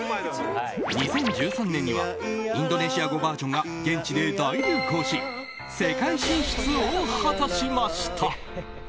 ２０１３年にはインドネシア語バージョンが現地で大流行し世界進出を果たしました。